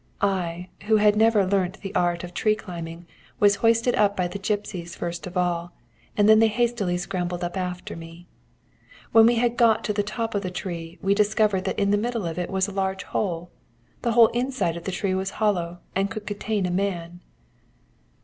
I, who had never learnt the art of tree climbing, was hoisted up by the gipsies first of all, and then they hastily scrambled up after me. "When we had got to the top of the tree we discovered that in the middle of it was a large hole the whole inside of the tree was hollow, and could contain a man.